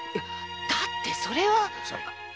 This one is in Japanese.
だってそれは。